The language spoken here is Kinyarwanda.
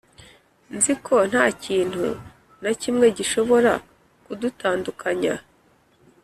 nzi ko nta kintu na kimwe gishobora kudutandukanya. "